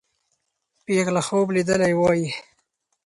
پېغله خوب لیدلی وایي.